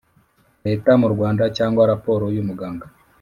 Leta mu Rwanda cyangwa raporo y umuganga